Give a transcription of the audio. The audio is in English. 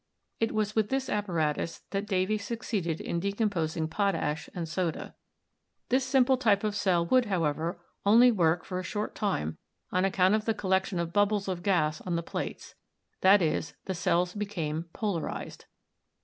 It was with this apparatus that Davy succeeded in decomposing potash and soda. ELECTRO CHEMISTRY 255 This simple type of cell would, however, only work for a short time on account of the collection of bubbles of gas on the plates; i.e. the cells became "polarized."